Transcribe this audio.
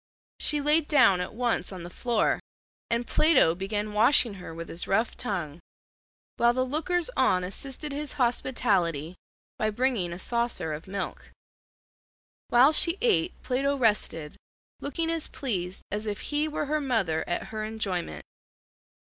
She laid down at once on the floor, and Plato began washing her with his rough tongue, while the lookers on assisted his hospitality by bringing a saucer of milk. While she ate Plato rested, looking as pleased as if he were her mother at her enjoyment.